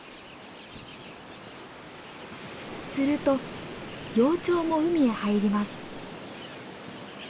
すると幼鳥も海へ入ります。